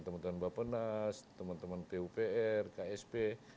teman teman bapak nas teman teman pupr ksp